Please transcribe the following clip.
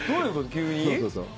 急に？